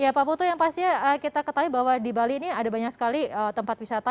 ya pak putu yang pasti kita ketahui bahwa di bali ini ada banyak sekali tempat wisata